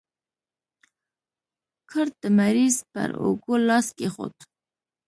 کرت د مریض پر اوږو لاس کېښود.